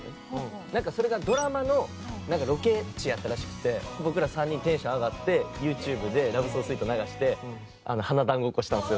なんかそれがドラマのロケ地やったらしくて僕ら３人テンション上がってＹｏｕＴｕｂｅで『Ｌｏｖｅｓｏｓｗｅｅｔ』流して花男ごっこしたんですよ